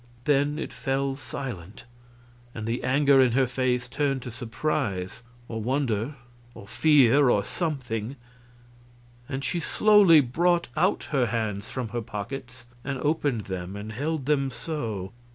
then it fell silent, and the anger in her face turned to surprise or wonder or fear, or something, and she slowly brought out her hands from her pockets and opened them and held them so.